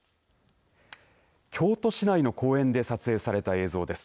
京都市内の公園で撮影された映像です。